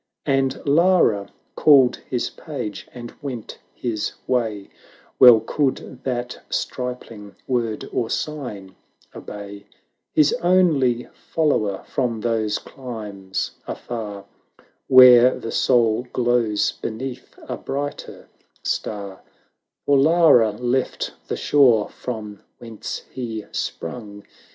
And Lara called his page, and went his way — 510 Well could that stripling word or sign obey : His only follower from those climes afar, Where the Soul glows beneath a brighter star; For Lara left the shore from whence he sprung.